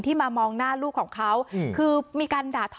มามองหน้าลูกของเขาคือมีการด่าทอ